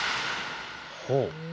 ほう。